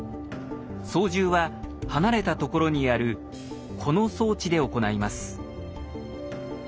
操縦は離れたところにあるこの装置で行います。